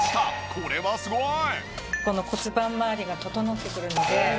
これはすごい！